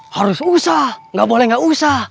harus usah nggak boleh nggak usah